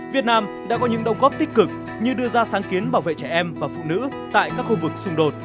việt nam đã có những đồng góp tích cực như đưa ra sáng kiến bảo vệ trẻ em và phụ nữ tại các khu vực xung đột